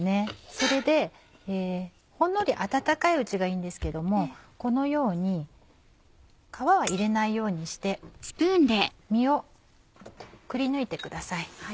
それでほんのり温かいうちがいいんですけどもこのように皮は入れないようにして実をくりぬいてください。